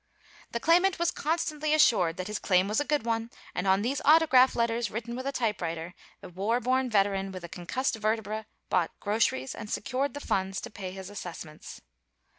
The claimant was constantly assured that his claim was a good one and on these autograph letters written with a type writer, the war born veteran with a concussed vertebra bought groceries and secured the funds to pay his assessments.